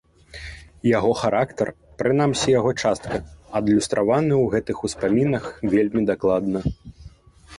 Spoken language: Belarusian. Яго характар, прынамсі яго частка, адлюстраваны ў гэтых успамінах вельмі даклада.